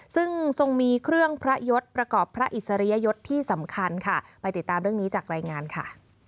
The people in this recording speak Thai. ซึ่งทรงมีเครื่องพระยศประกอบพระอิสริยยศที่สำคัญค่ะไปติดตามเรื่องนี้จากรายงานค่ะ